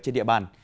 trên địa bàn